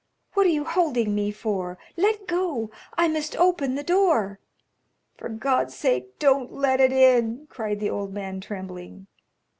What are you holding me for? Let go. I must open the door." "For God's sake don't let it in," cried the old man, trembling.